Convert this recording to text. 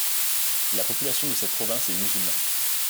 La population de cette province est musulmane.